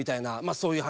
そういう話。